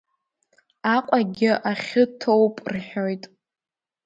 Аҟәагьы ахьы ҭоуп, рҳәоит.